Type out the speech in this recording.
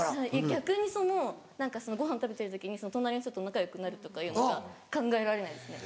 逆にその何かごはんを食べてる時に隣の人と仲良くなるとかいうのが考えられないですね。